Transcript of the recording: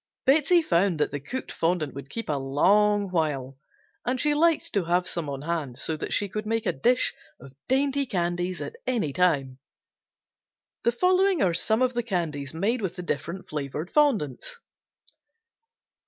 Betsey found that the cooked fondant would keep a long while and she liked to have some on hand so that she could make a dish of dainty candies at any time. The following are some of the candies made with the different flavored fondants.